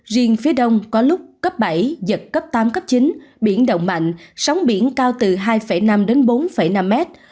riêng phía đông có lúc cấp bảy giật cấp tám cấp chín biển động mạnh sóng biển cao từ hai năm đến bốn năm mét